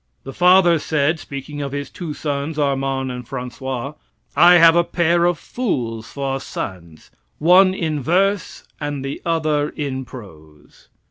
The father said, speaking of his two sons, Armand and Francois: "I have a pair of fools for sons, one in verse and the other in prose."